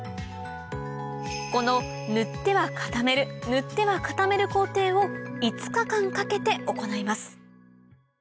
この塗っては固める塗っては固める工程を５日間かけて行います